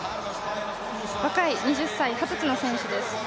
若い２０歳、二十歳の選手です